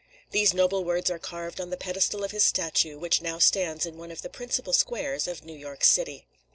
These noble words are carved on the pedestal of his statue, which now stands in one of the principal squares of New York city.